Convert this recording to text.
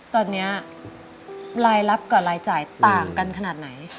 ตอนนี้รายรับกับรายจ่ายต่างกันขนาดไหน